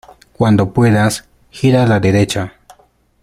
Cuando puedas, gira a la derecha.